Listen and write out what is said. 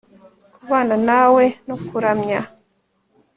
kubana nawe no kuramya ..